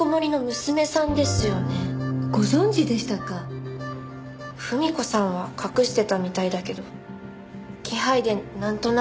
文子さんは隠してたみたいだけど気配でなんとなく。